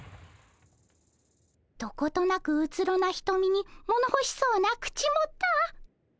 どことなくうつろなひとみにものほしそうな口元。